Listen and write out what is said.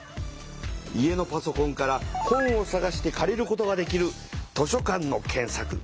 家のパソコンから本をさがして借りることができる図書館の検さく。